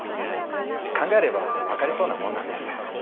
考えれば分かりそうなもんなんです。